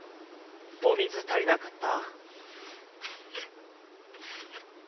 お水足りなかった？